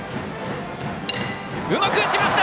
うまく打ちました！